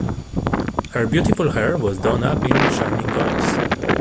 Her beautiful hair was done up in shining coils.